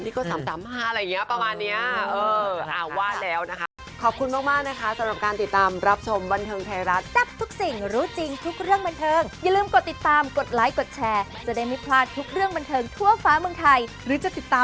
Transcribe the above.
นี่ก็ซ้ำมาอะไรอย่างเงี้ยประมาณเนี้ยอะว่าแล้วนะคะ